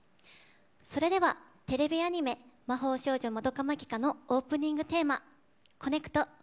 それでは、テレビアニメ「魔法少女まどか☆マギカ」のオープニングテーマ「コネクト」